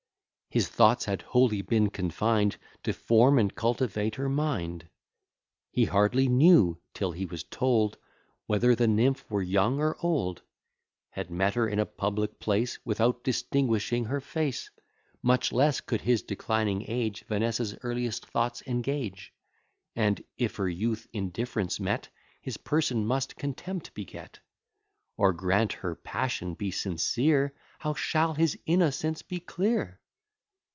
His thoughts had wholly been confined To form and cultivate her mind. He hardly knew, till he was told, Whether the nymph were young or old; Had met her in a public place, Without distinguishing her face; Much less could his declining age Vanessa's earliest thoughts engage; And, if her youth indifference met, His person must contempt beget; Or grant her passion be sincere, How shall his innocence be clear?